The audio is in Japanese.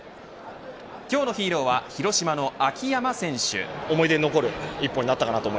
今日のヒーローは広島の秋山選手。